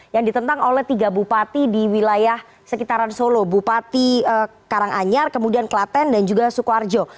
yang ditentang oleh tiga bupati di wilayah sekitaran solo bupati karanganyar kemudian klaten dan juga sukoharjo